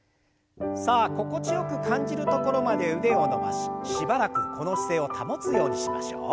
さあ心地よく感じるところまで腕を伸ばししばらくこの姿勢を保つようにしましょう。